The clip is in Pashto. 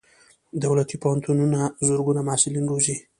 دولتي پوهنتونونه زرګونه محصلین روزي.